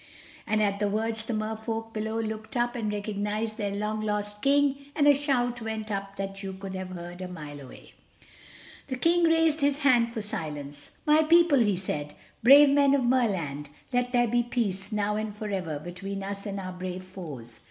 And at the words the Mer Folk below looked up and recognized their long lost King, and a shout went up that you could have heard a mile away. The King raised his hand for silence. "My people," he said, "brave men of Merland—let there be peace, now and forever, between us and our brave foes.